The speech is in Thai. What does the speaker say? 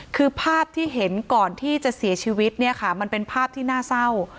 คือภาพที่เห็นก่อนที่จะเสียชีวิตเนี่ยค่ะมันเป็นภาพที่น่าเศร้า